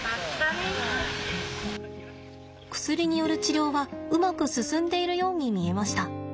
薬による治療はうまく進んでいるように見えました。